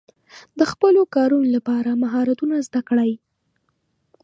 د خپلو کارونو لپاره مهارتونه زده کړئ.